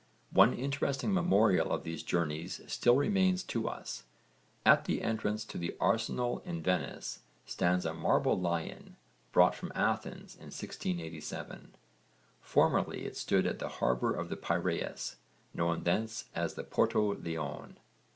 One interesting memorial of these journeys still remains to us. At the entrance to the arsenal in Venice stands a marble lion brought from Athens in 1687. Formerly it stood at the harbour of the Piraeus, known thence as the Porto Leone.